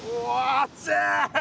熱い？